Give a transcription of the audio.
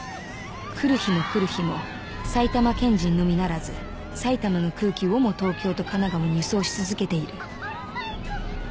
来る日も来る日も埼玉県人のみならず埼玉の空気をも東京と神奈川に輸送し続けている。